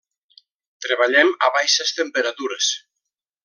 Treballem a baixes temperatures.